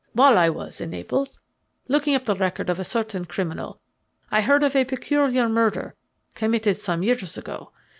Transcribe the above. "While I was in Naples looking up the record of a certain criminal I heard of a peculiar murder committed some years ago.